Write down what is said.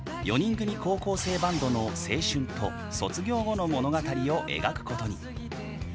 ４人組高校生バンドの青春と卒業後の物語を描くことに。